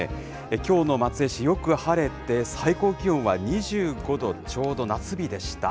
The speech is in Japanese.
きょうの松江市、よく晴れて、最高気温は２５度ちょうど、夏日でした。